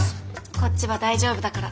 こっちは大丈夫だから。